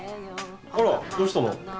あらどうしたの？